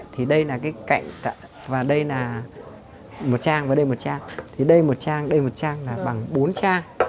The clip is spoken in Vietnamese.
thì đây một trang đây một trang là bằng bốn trang